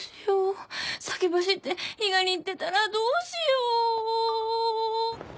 先走って伊賀に行ってたらどうしよ！